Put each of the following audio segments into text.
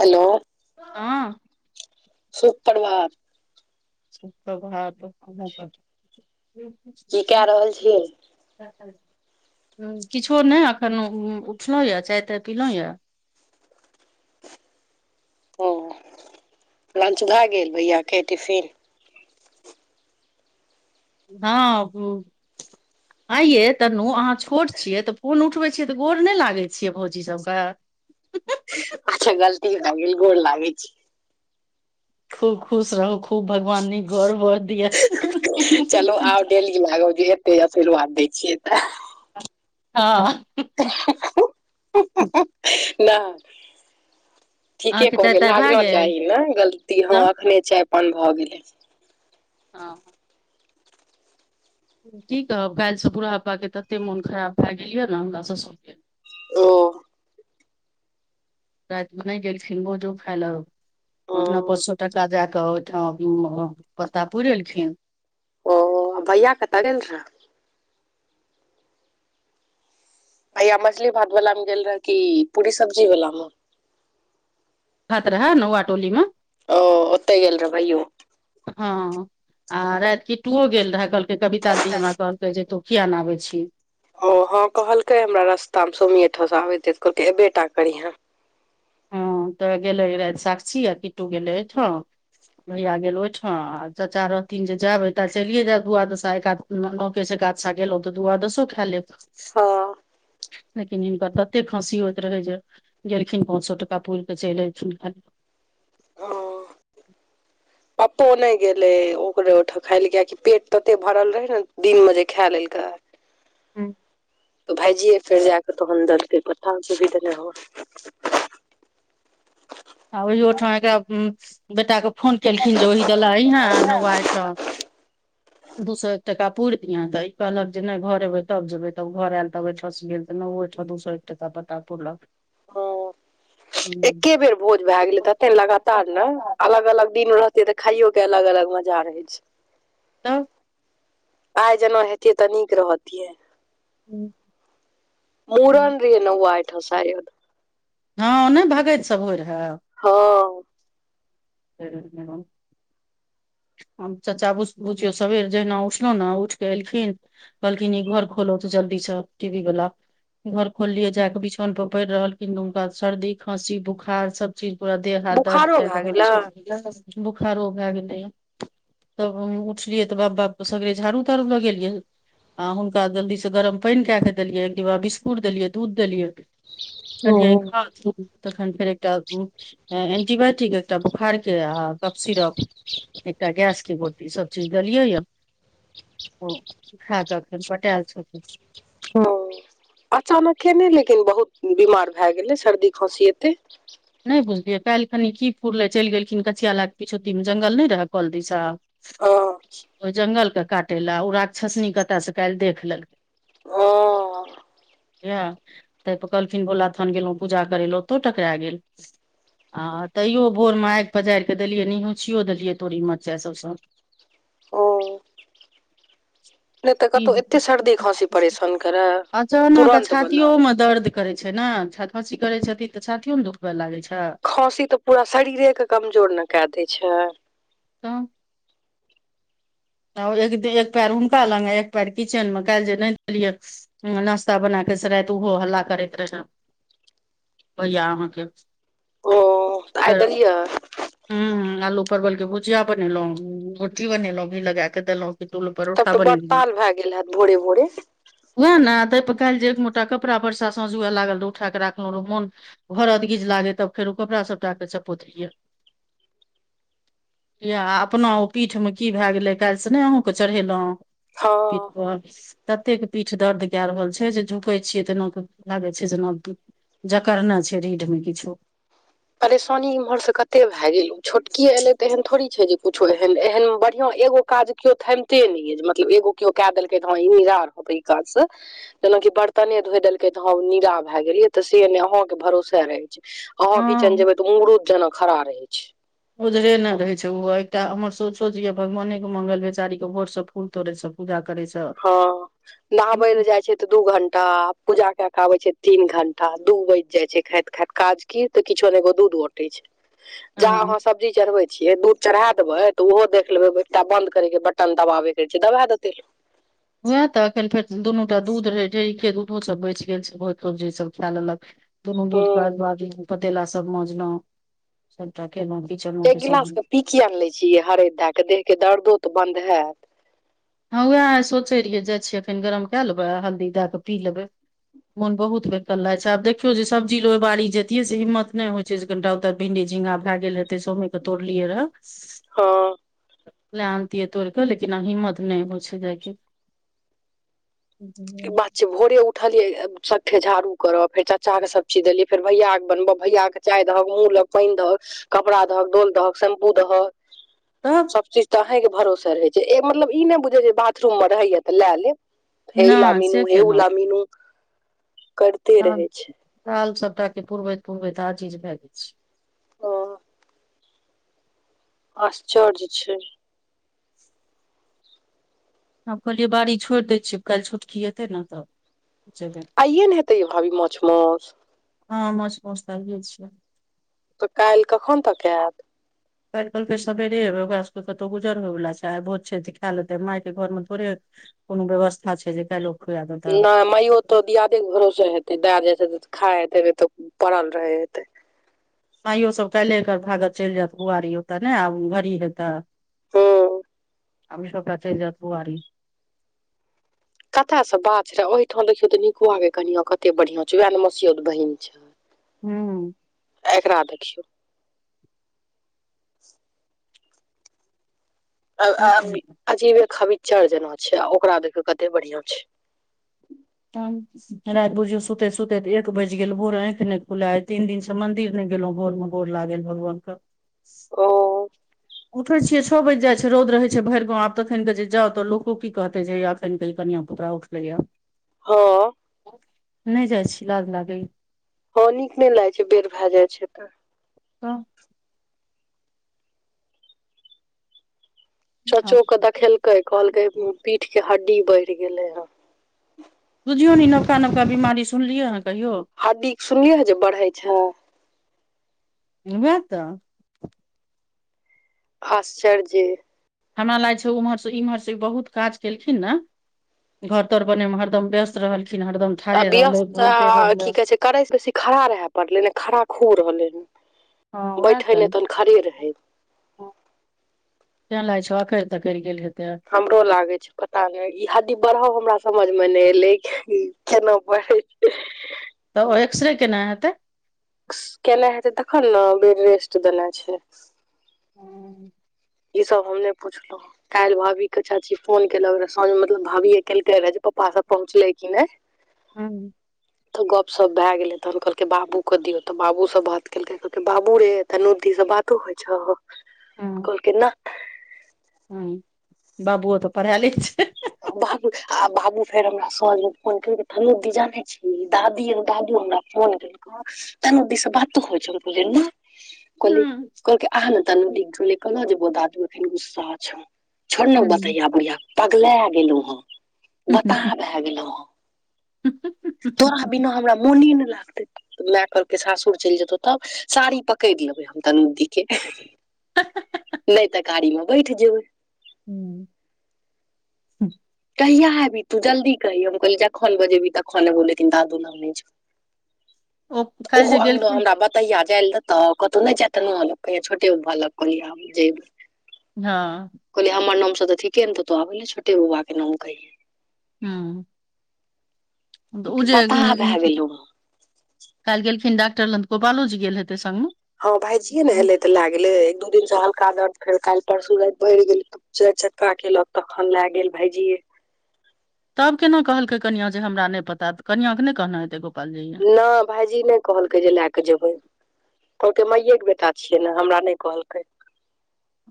Hello हाँ सुप्रभात [unintelligible] की कए रहल छियै किछो नहि अखन उठलहुं यए चाय ताय पीलहुँं यए ओ लंच भए गेल भैया के टिफिन हँ [inaudible] [unintelligible] आ यै तनू अहाँ छोट छियै तऽ फोन उठबै छियै तऽ गोर नहि लागै छियै भौजी सबके ह अच्छा गलती भ‌ए गेल गोड़ लागै छी खूब खुश रहू खूब भगवान निक घर बर दिय चलू आब डेली लागब जे एतै आशीर्वाद दै छियै तऽ हाँ नहि ठीके अहाँके चाय कहलियै ताय भए लागना गेल चाही ने गलती हँ तब अखने चाय पान भऽ गेलै हँ की कहब काल्हिसँ बुढ़ापा के तते मोन खराब भए गेल या ने हमरा ससुर के ओ राति मे नहि गेलखिन भोजो खाय ले ओपना ओ पाँच सो टका दै क त बता पुर एलखिन ओ भैया कत गेल रहऽ भैया मछली भात वाला मे गेल रहे क पूरी सब्जी वाला मे खत रह ह नौआ टोली में ओ ओतऽ गेल रहै भइयो हँ आ राति कीटु ओ गेल रहै कहलकै कविता दी हमरा कहलकै जे तु किया न आबै छी ओ हँ कहलकै हमरा रास्ता मे सोमित ओठ से आबेे तऽ कहलकै एबेटा करीहं हँ तऽ गेलै राति साक्षी आ किटटू गेलै भइया गेल ओहिठाम आ चाचा रहथिन जे जायब त चलियए जायब दुआ दशा एकादसा नौ केस एकादशा गेल ऊ तऽ दूआदसो खा लेब हँ लेकिन हिनकर तते खाँसी होइत रहै जे गेलखिन पाँच सए टका पुरि क चलि एलखिन ओ पप्पो नहि गेलै ओकरे ओहिठाम खाय ल कियकि पेट तते भरल रहै ने दिनमे जे खा लेलकै ह्म तऽ भायजियै फेर जा कऽ तहन देलकै पता तऽ नहि हो आ ओहियो ठाम एकरा बेटाके फोन केलखिन जे ओहि दल अहीं न नौआ अहिठाम [inaudible] [unintelligible] दू सए एक टाका पूरि दियहे तऽ ई कहलक जे नहि घर एब तब जेबै तब घर आयल तब ओठँस गेल तऽ न छओ दू सए एक टका पता पूरलक हँ एके बेर भोज भए गेलै तते लगातार ने अलग अलग दिन रहतेै तऽ खाइयो के अलग अलग मजा रहे छै तब आइ जेना हेतियै तऽ नीक रहतियै हूंम्म मुरण रहै न [unintelligible] आइठ शायद हँ नहि भगैत सब होय रहै हँ स मैडम [unintelligible] चाचा बुझियौ सबेर जहिना उठलो ने उठ कऽ एलखिन मल्किनी घर खोलो तऽ जल्दी सॅं टी भी वला घर खोललियै जाक बिछौन पर पड़ि रहल खिन हुनका सर्दी खाँसी बुखार सब चीज पूरा देह हाथ दर्द बुखारो कर भए गेलै रहल छै बोखारो भए गेलै है तब उठलियै तऽ बाप बाप सगरे झाड़ू ताड़ू लगेलियै आ हुनका जल्दी से गरम पानि कऽ दिया बिस्कुट देलियै दूध देलियै ओ कनिय खाथिन फेर एकटा एंटि बायोटिक एक बोखार के आ कप सिरप एकटा गैस की गोटी सब चीज देलियै यऽ ओ खाक अखन पटायल छै ओ अचानक के नहि लेकिन बहुत बीमार भए गेलै सर्दी खाँसी एतै नहि बुझलियै काल्हि खनि की फूरलै चलि गेलखिन कचिये ला के पिछूहती मे जंगल नहि रहय कोल दिसा हँ ओहि जंगलके काटे लए ओ राक्षसनी कतय से काल्हि देख लेलकै ओ यह तापर कहलखिन भोला स्थान गेलहुँ पूजा करय लए ओतौ टकरा गेल हँ तैयो भोरमे आगि पजारि कऽ देलियै निहोंछियो देलियै तोरी मरचासभसँ ओ नहि तऽ कतहु एतेक सर्दी खाँसी परेशान करय तुरन्त बला करे छै ने छात खाँसी करे छथिन तऽ छातियो ने दुखबे लागे छै खाँसी तऽ पूरा शरीरे के कमजोर ने कऽ दै छै तब एकिन एक पैर हुनका लग एक पैर किचेनमे काल्हि जे नहि देलियै हँ नाश्ता बना कऽ से रति ओहो हल्ला करैत रहे भैया अहाँके ओ तऽ आय दैलिए हॅं आलू परवल के भुजिया बनेलहु रोटी बनेलहुँ घी लगा के देलहुं किट्टू ले तब परोठा तऽ बड़ बनेलिय ताल भए गेल हैत भोरे भोरे वएह ने तऽ काल्हि जे एक मोटा कपड़ा परसा सझुए लागल रह उठा कऽ रखलहुं मोन घर अद गीज लागे तब फेर ओ कपड़ा सबटा के चपोत लिये या अपना ओ पीठ में की भए गेलै काल्हि से नहि अहूँके चढ़ेलहुँ हँ पीठ पर ततेक पीठ दर्द कए रहल छै जे झुकै छियै तेना लागे छै जेना जकरने छै रीढ़ मे किछु परेशानी इम्हर से कते भए गेल छोटकिय एयलै तऽ एहन थोड़ी छै जे कुछो एहन एहन बढ़िया एगो काज केओ थमिते ने य जे मतलब एगो केओ क देलकै त ह ई निजार होते काज सँ जेनाकि बर्तने धोइ देलकै त ह नीरा भए गेलियै तऽ से ने अहाँ के भरोसे रहै अहाँ किचेन हँ जेबै तऽ उमरूद जेना खड़ा रहै छै उधरे न ने रहे छै हो एकटा हमर सोचो छै ये भगवाने के मंगल बेचारी के भोर से फूल तोड़े से पूजा करे छै हँ नहाबै ले जाइ छै दू घंटा पूजा के के आबै छै तीन घंटा दू बाजि जाय छै खाइत खाइत काज कि तऽ किछो ने एगो दूध औटे छै जा हँ अहाँ सब्जी चढ़बै छियै दूध चढ़ा देबै तऽ ओहो देख लेबै एकटा बंन्द करैके छै बटन दबाबेके छै दबा देतै लोक वैहे तऽ एखन फेर दुनू टा दूध रहै ढेरिके दूध दूध सब बचि गेल छै बहुत सब्जी सब खा लेलक दुनू दूध हूँ बर्बादे पतेला सभ मजलहु सभटा केलहुं किचनो एक के सभ गिलास पी किएक ने लैए छी य? हरद दे के देहके दर्द तऽ बन्द हेतै? हँ उएह सोचे रहियै जाइ छियै। फेर गरम कए लेबै। हल्दी दए कऽ पी लेबै। मोन बहुत बेकल लागै छै। आब देखियौ ने, सब्जी लऽ आबै लेल कतियेक हिम्मत नहि होइ छै। कनिए तऽ भिंडी, झिंगा भऽ गेल रहै, सभ तोड़लिए रहै। हँ लऽ अनतियै तोड़ के, लेकिन हिम्मत नहि होइ छै जेबाक। जी [unintelligible] से भोरे उठलियै, सभठाम झाड़ू कऽ फेर चाचा के सब चीज देलियै, फेर भैया के बनबह भैया के। चाय देलक, मुँह लेल पानि देलक, कपड़ा देलक, तेल देलक, शैम्पू देलक। तब सभ चीज तऽ एहिके भरोसे रहै छै, मतलब ई नहि बुझै जे बाथरूममे रहैए तऽ लऽ लेब। हे ई ला नहि मिनू, से हे ऊ केना ला मिनू करैत। दाल सभटा पुरबैत पुरबैत आजीज भऽ जाइ छै। ह आश्चर्य छै। आब कहलियै, बाड़ी छोड़ि दै छियै। काल्हि छोटकी हेतै ने तऽ? जेबै आइए ने हेतै य भाभी, माछ मौस? हँ, माछ मौस तऽ आए छियै। तऽ काल्ह कखन तक आयत? काल्हि कहलके सबेरे एबे ओकरा सभके कतहु गुजर होयवला छै। आइ बहुत छै तऽ खा लेतै, मायके घरमे थोड़े? कोनो व्यवस्था छै? जे कएलो। नहि, माइयो तऽ दियादेके भरोसे होइते दे जाइ छै। खा हेते तऽ पड़ल रहैते। माइयो सभ काल्हि एकर भागैत चलि जायत बुआरी ओतऽ ने, आब घड़ी हेतै। हूँ अभी सभता चैल जात गुहारि। कतय से बात रहै? ओहि ठाम देखियौ तऽ नीक लागै छै। कनिया कते बढ़िया छौ, वएह ने मसौद बहिन छौ? हू एकरा देखियौ [inaudible] की अऽ, करबै अजीब खविचर जेना छै ओकरा देख। कते बढ़िया छै। त राति बुझियौ, सुतैत सुतैत एक बजि गेल। भोर एखन नहि खुलल। तीन दिनसँ मन्दिर नहि गेलहुँ भोरमे। गोर लागेल भगवान कऽ ओ उठै छियै तऽ छओ बजि जाइ छै, रौद भऽ जाइ छै भरि गाममे। आब तऽ एखनके जे जाउ तऽ लोक की कहतै, एखन के ई कनिया पुकड़ा? पया हँ नहि जाइ छी लाज लागै यै। हँ, नीक नहि लागै छै, बेड़ भै जाइ छै तऽ। तऽ आब चाचोके देखेलकै, कहलकै पीठके हड्डी बढ़ि गेलै हे। बुझियौ ने इ नबका नबका बीमारी सुनलियै यै कहियौ? हड्डीके सुनलिए हे जे बढ़ै छै। उ [unintelligible] हैं त आश्चर्य‌ जे हमरा लाग छै, उम्हर से इम्हर से बहुत काज केलखिन ने। घर तर बने मे हरदम व्यस्त रहलखिन हरदम। आ ठाढ़े रहलै व्यस्त घुमिते रहलै ठीक छै। करै से बेसी खड़ा रहै पड़लै ने। खड़ा खूब रहलै, हँ उएह बैठै तऽ ने नहि तनिको। खड़े रहै। तं लाइ छो अकैर तकैर गेल हेतेय हमरो लागे छै पता नहि ई हडदी बढ़ाव हमरा समझ मे नहि एले केना बढ़े [inaudible] तऽ ओ एक्स रे केना हेतै केनाइ हेतै तखन ने बेड रेस्ट देने छै ह [inaudible] ई सब हमने पूछलो काल्हि भाभी केे चाची फोन केलक रहै साँझ मतलब भाभी केलकै रहे जे पपा सब पहुँचलै कि नहि हुँ तऽ गप सप भए गेलै तहन कहलकै बाबू के दियौ तऽ बाबूसँ बात केलकै कहलकै बाबू रे तनु दी से बात तु छहअ कहलकय ना हुँ बाबुओ तऽ पढ़ाय ले छै बाबू आ बाबू फेर हमरा सझमे फोन केलकय तनु दी जानै छी दादी दादू हमरा फोन केलकउ तनु दी से बात होइ छउ हम कहलियय नहि कहली कहलकय आ ने तनु दी कहलिए केना जे बो दादू एखन गुस्सा छौ छोड़ ने हूँ बतैया भैया पगला गेलहु हेँ बताह भै गेलहु हेँ हुँ हुँ हह तोरा बिना हमरा मोने ने लागते त माय कहलके सासुर चलि जेतौ तब साड़ी पकड़ि लेबै हम तनु दी के नहि तऽ गाड़ी में बैठ जेबै हूँ कहिया एबी तू जल्दी कही हम कहलीए जखन बजेबहि तखन एबउ लेकिन दादू न ओ जो काल्हि ओहो जे अंगना गेलखिन हमरा बत तहिया जाय देतऽ कतौ नहि जायत नलया छोटेलक हँ कहलिए हमर नाम से तऽ ठीके ने तो आबे छोटे बौआ के नाम कहिये हँ तऽ उ जेे बताह भए गेलहुँ कालिह गेलखिन डाक्टर लंग में त गोपालो जी गेल हेतै संग मे हँ भाइजी ए ने एले तऽ लए गेले एक दू दिन स का दर्द फेर काहिल परसू रात फेर बढ़ गेल चार चका केलक तखन लय गेल भाइजी ए तब केना कहलकै कनिया जे हमरा नहि पता कनियां के नहि कहना हेते गोपालजी ये नहि भायईजी नहि कहलकै जे लै के जेबै कहलकै माइएके बेटा छियै ने हमरा नहि कहलकै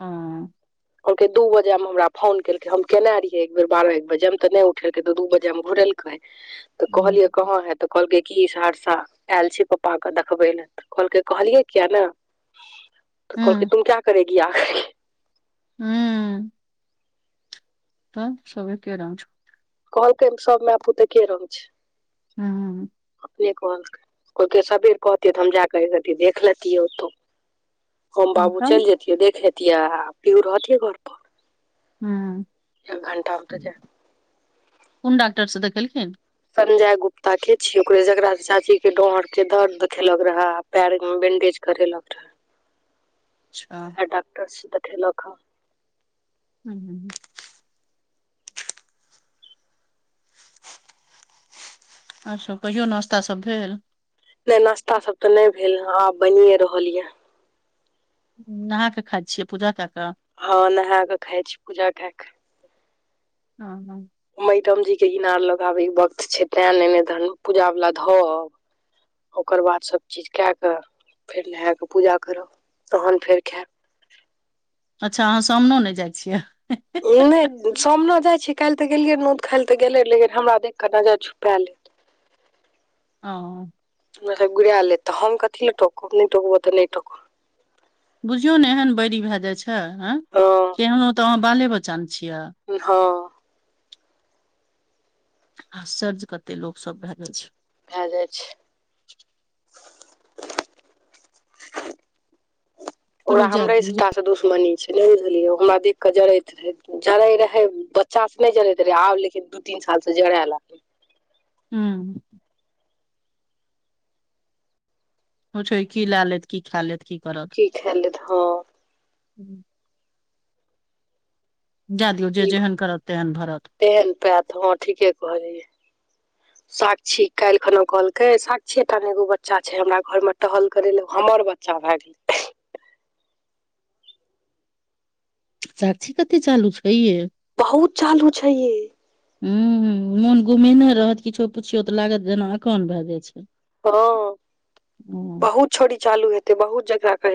हुँ कहलकै दू बजे मे हमरा फोन केलकै हम केने रहियै एक बेर बारह एक बजे मे तऽ नहि उठेलकै त दू बजे मे घुरेलकै तऽ हँ कहलियै कहाँ है तऽ कहलकै की सहरसा आयल छै पप्पाके देखबै लए तऽ कहलकै कहलियै किया ने तऽ कहलकै तुम क्या करेगी आ करके हुँ तऽ सब एके रंग छो कहलकै सब माय पूत एके रंग छै हुँ अपने कहलकै कहलकै सबेर अयतै तऽ हम जाकऽ एक रत्ती देख लेतियै ओतौ हम बाबू चलि जेतियै देख एतिये आ पिहु रहतियै घर पर हुँ एक घण्टा ओतऽ जाय मे कोन डाक्टर से देखेलखिन संजय गुप्ता के छियै ओकरे जकरा से चाची के डांर के दर्द देखेलक रहे पैर मे बैंडेज करै लक रहै अच्छा वैहे डाक्टर से देखेलक हँ हुंम्म हूंम्म आओर सभ कहियौ नाश्ता सब भेल नहि नाश्ता सब तऽ नहि भेल ह आब बनिये रहल ये नहा क खाइ छियै पूजा कए कऽ हँ नहा कऽ खाय छी पूजा क‌ए के हँ हँ मैडम जी के इनार लग आबै वक्त छै तैं ने नै तन पूजा वला धऽ आउ ओकर बाद सबचीज कए कऽ फेर नहा कऽ पूजा करब तहन फेर खायब अच्छा अहाँ सामनो नहि जाइ छियै नहि सामने जाइ छी काल्हि तऽ गेलियै न ओतऽ काल्हि तऽ गेलै लेकिन हमरा देखिकऽ नजर झुक पे लेत ओ नजर गिरा लेत तऽ हम कथी ल टोकब नै टोकब तऽ नै टोक बुझियौ ने एहन बैरी भए जाइ छै एँ हँ केहनो तऽ अहाँ बाले बच्चा नऽ छियै हँ आश्चर्य कते लोक सब भए जाइ छै भए जाइ छै ओकरा छोड़ू जाए हमरे दियौ जे सबटा दुश्मनी छै नहि बुझलियै ओ हमरा देख कऽ जड़ैत जड़ै रहै बच्चासँ से नहि जरैत रहे आब लेकिन दू तीन साल से जड़य लागलै हूंम्म होइ छै कि लै लेत की खाय लेत की की खाय लेत हँ हूँ जाय दियौ जे ई जेहन करत तेहन भरत तेहन पैयत हँ ठीके कहलियै साक्षी काल्हि खना कहलकै साक्षीये टा नऽ एगो बच्चा छै हमरा घर मे टहल करै लऽ हमर बच्चा बच्चा भए गेलै साक्षी कते चालू छै ये बहुत चालू छै ये हूंम्म मोन गुमेने रहत किछो पुछियौ तऽ लागत जेना अकान भए जाइ छै हँ हूँ बहुत छौड़ी चालू हेतै बहुत झगरा करेतै